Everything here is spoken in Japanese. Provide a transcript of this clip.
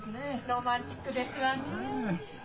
ロマンチックですわねえ。